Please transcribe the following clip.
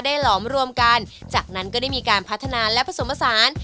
หลอมรวมกันจากนั้นก็ได้มีการพัฒนาและผสมผสาน